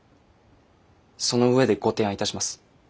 その上でご提案いたします。